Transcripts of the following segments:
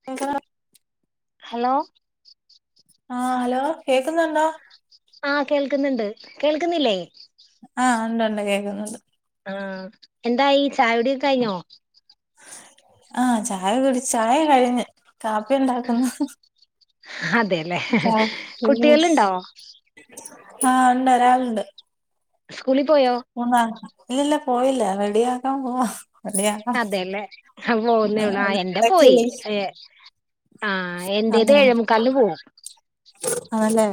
[unintelligible] Hello ആഹ് hello കേക്ക്ന്ന്ണ്ടോ? ആഹ് കേൾക്ക്ന്ന്ണ്ട്. കേൾക്ക്ന്നില്ലേ? ആഹ് ഉണ്ടു ണ്ട് കേക്ക്ന്നുണ്ട്. ആഹ് എന്തായി ചായൂടി കഴിഞ്ഞോ? ആഹ് ചായ കുടിച്ച് ചായ കഴിഞ്ഞ് കാപ്പി ണ്ടാക്കുന്നു. അതെല്ലേ ആഹ് പിന്നെ കുട്ടികളുണ്ടോ ആഹ് ഉണ്ട് ഒരാളുണ്ട്. സ്കൂളി പോയ മൂന്നാള് ഇല്ല ല്ല പോയില്ല റെഡിയാക്കാൻ പോവാ റെഡിയാക്കണം അതെല്ലേ പോകുന്നേള്ളൂ ആഹ് എന്റെ ഇടക്ക് പോയി വിളിക്ക് ആഹ് എന്റേത് ഏഴേമുക്കാലിന് പോവും. ആണ്ല്ലേ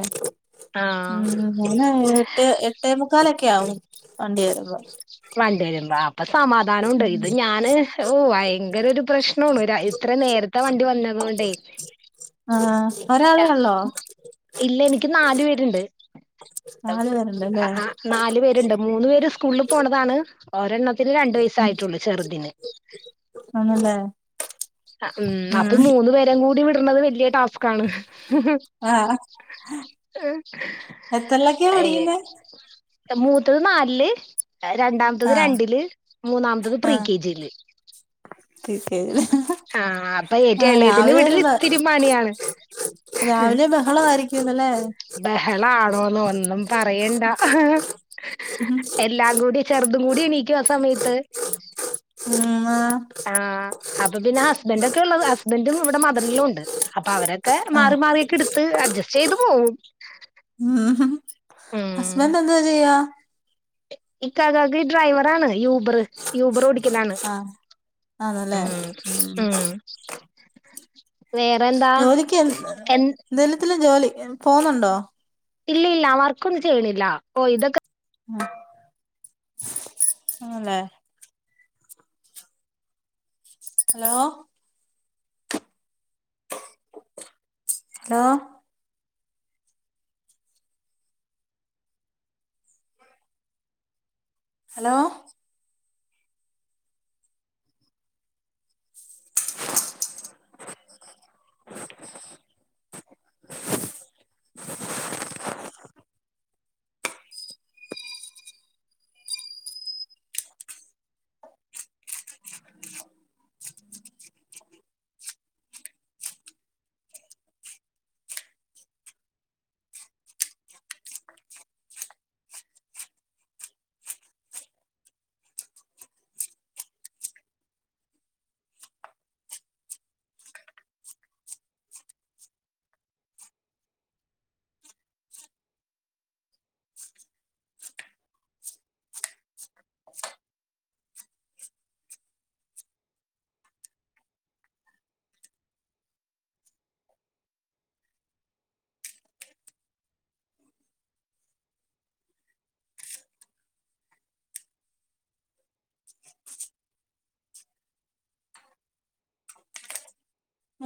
ഉം ആഹ് [unintelligible] എട്ടേ മു ക്കാലൊക്ക്യാവും വണ്ടി വരുമ്പോ വണ്ട്യെരും അപ്പ സമാധാനുണ്ട് ഇത് ഞാന് ഓഹ് ഭയങ്കരൊരു പ്രശ്നോണ് ര ഇത്രേ നേരത്തെ വണ്ടി വന്നത്കൊണ്ടേ ആഹ് ഒരാളേ ഉള്ളോ ഇല്ല എനിക്ക് നാല് പേര്ണ്ട്. നാല് പേരുണ്ടല്ലേ നാല് പേര്ണ്ട് മൂന്ന് പേര് സ്കൂളില് പോണതാണ് ഒരെണ്ണത്തിന് രണ്ടു വയസ്സായിട്ടൊള്ളു ചെറ്തിന് ആണ് ലെ ഉം അത് മൂന്നു പേരേം കൂടി വിട്ണത് വല്ല്യ ടാസ്ക്കാണ് ആഹ് എത്രയിലൊക്കെയാ എ പഠിക്കുന്നെ മൂത്തത് നാൽല് രണ്ടാമത്തത് ആഹ് രണ്ടില് മൂന്നാമത്തത് പ്രീ ആഹ് കെജിയില് പ്രീ കെ ജില് ആ അപ്പ ഏറ്റവും എളെതിന് വിട്ല് ഇത്തിരി പണിയാണ് ബഹളായിരിക്കുല ലെ ബഹളാണോന്നോ ഒന്നും പറയണ്ട എല്ലാ കൂടി ചെർതും കൂടി എണീക്കു ആ സമയത്ത് ഉമ്മ ആ അപ്പ പിന്നെ ഹസ്ബൻഡ് ഒക്ക ഇള്ളത് ഹസ്ബൻഡും ഇവട മദർ ലോ ഉണ്ട് അപ്പ അവരെ ക്കെ ആഹ് മാറി മാറിയക്കെ ഇട്ത്ത് അഡ്ജസ്റ്റ് ചെയ്ത് പോവും ഉം ഹസ്ബൻഡ് എന്ദോ ചെയ്യാ ഇക്കാക്കാക്ക് ഡ്രൈവറാണ് യൂബറ് യൂബറ് ഓടി ക്കലാണ് ആഹ് ഉം ഉം വേറെന്താ ജോലിക്ക് എൻ എന്തെലത്തിലും ജോലി പോവ്ന്നുണ്ടോ ഇല്ലില്ല വർക്കൊന്നും ചെയ്യ്ണില്ല ഓ ഇതക്കെ ഉം ആണ് ലെ ഹലോ ഹലോ ഹലോ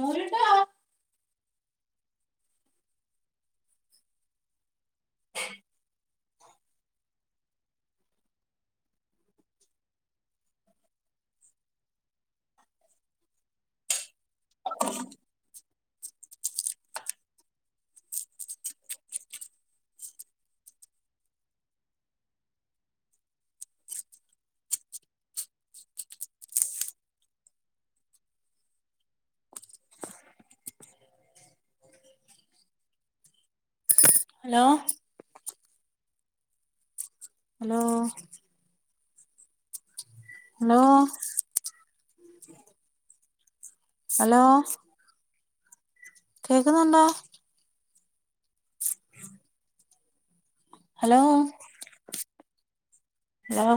മോര്ണ്ട ഹലോ ഹലോ ഹലോ ഹലോ കേക്കുന്നുണ്ടോ ഹലോ ഹലോ